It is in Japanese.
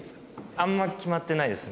あんま決まってないですね。